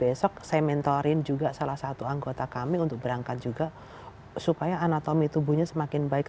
besok saya mentorin juga salah satu anggota kami untuk berangkat juga supaya anatomi tubuhnya semakin baik